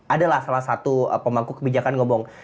ada lah salah satu pemangku kebijakan ngomong